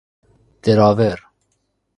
دراور